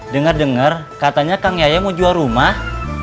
dengar dengar katanya kang yaya mau jual rumah